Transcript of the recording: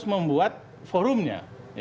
kita harus membuat forumnya